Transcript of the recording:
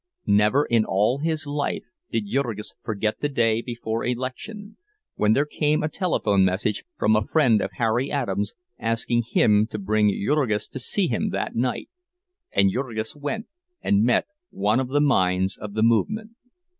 Never in all his life did Jurgis forget the day before election, when there came a telephone message from a friend of Harry Adams, asking him to bring Jurgis to see him that night; and Jurgis went, and met one of the minds of the movement.